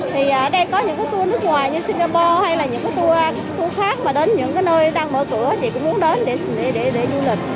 thì ở đây có những tour nước ngoài như singapore hay là những tour khác mà đến những nơi đang mở cửa thì cũng muốn đến để du lịch